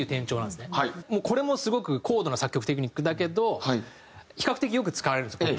これもすごく高度な作曲テクニックだけど比較的よく使われるんですよ。